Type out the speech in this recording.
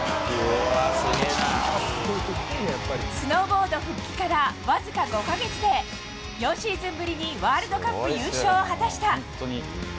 スノーボード復帰からわずか５か月で４シーズンぶりにワールドカップ優勝を果たした。